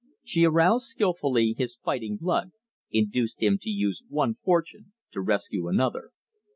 She aroused skillfully his fighting blood, induced him to use one fortune to rescue another.